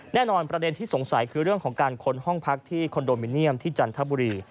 ประเด็นที่สงสัยคือเรื่องของการค้นห้องพักที่คอนโดมิเนียมที่จันทบุรี